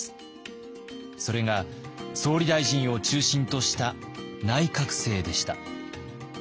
それが総理大臣を中心とした内閣制でした。